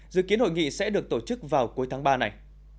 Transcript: dự kiến hội nghị sẽ được tổ chức vào cuối tháng ba này